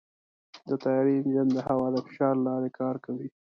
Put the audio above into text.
د طیارې انجن د هوا د فشار له لارې کار کوي.